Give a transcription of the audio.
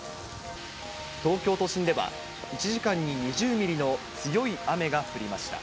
東京都心では、１時間に２０ミリの強い雨が降りました。